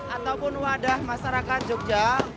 ataupun wadah masyarakat yogyakarta